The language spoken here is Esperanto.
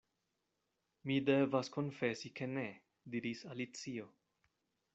"Mi devas konfesi ke ne," diris Alicio.